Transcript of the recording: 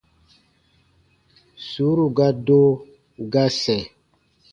Sùuru ga do, ga sɛ̃.